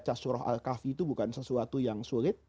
rasulullah saw itu bukan sesuatu yang sulit